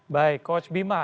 baik coach bima